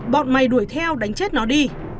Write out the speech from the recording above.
bọn mày đuổi theo đánh chết nó đi